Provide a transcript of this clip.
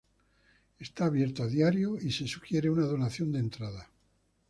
Está abierto a diario y se sugiere una donación de entrada.